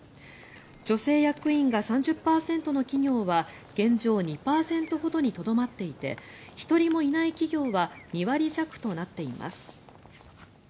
女性役員が３０％の企業は現状２％ほどにとどまっていて１人もいない企業は２割弱となっています。